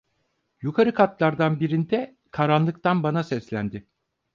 Yukarı katlardan birinde, karanlıktan bana seslendi.